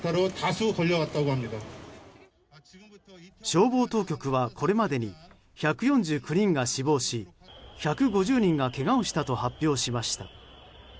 消防当局はこれまでに１４９人が死亡し１５０人がけがをしたと発表しました。